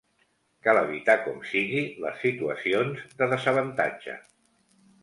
Cal evitar com sigui les situacions de desavantatge.